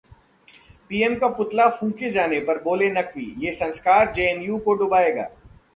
PM का पुतला फूंके जाने पर बोले नकवी- ये संस्कार जेएनयू को डुबोएगा